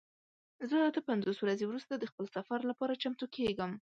زه اته پنځوس ورځې وروسته د خپل سفر لپاره چمتو کیږم.